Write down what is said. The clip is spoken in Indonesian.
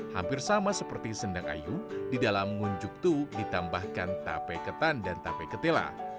hampir sama seperti sendang ayu di dalam ngunjuk tu ditambahkan tape ketan dan tape ketela